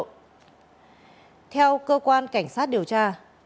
theo cơ quan cảnh sát điều tra